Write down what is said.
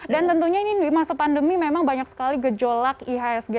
dan tentunya ini di masa pandemi memang banyak sekali gejolak ihsg